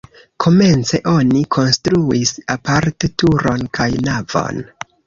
Komence oni konstruis aparte turon kaj navon.